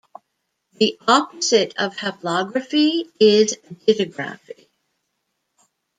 The opposite of haplography is dittography.